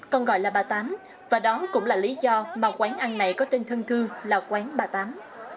còn gọi là bà tám và đó cũng là lý do mà quán ăn này có tên thân thương là quán bà tám